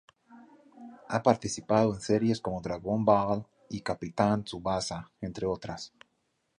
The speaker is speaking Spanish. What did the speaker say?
Ha participado en series como Dragon Ball y Capitán Tsubasa, entre otras.